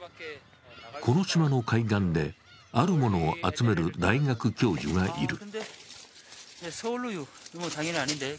この島の海岸で、あるものを集める大学教授がいる。